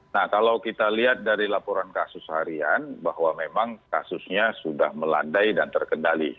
nah kalau kita lihat dari laporan kasus harian bahwa memang kasusnya sudah melandai dan terkendali